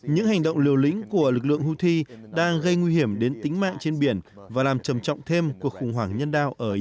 những hành động liều lĩnh của lực lượng houthi đang gây nguy hiểm đến tính mạng trên biển và làm trầm trọng thiệt